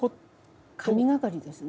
神がかりですね。